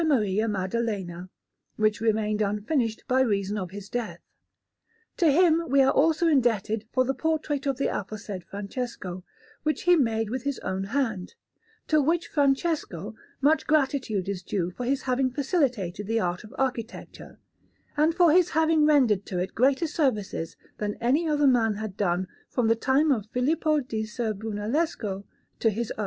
Maria Maddalena, which remained unfinished by reason of his death. To him we are also indebted for the portrait of the aforesaid Francesco, which he made with his own hand; to which Francesco much gratitude is due for his having facilitated the art of architecture, and for his having rendered to it greater services than any other man had done from the time of Filippo di Ser Brunellesco to his own.